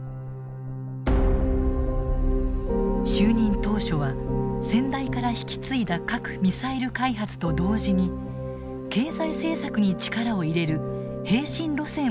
就任当初は先代から引き継いだ核・ミサイル開発と同時に経済政策に力を入れる並進路線をとり始めた。